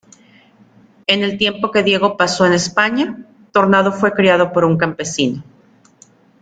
En el tiempo que Diego paso en España, Tornado fue criado por un campesino.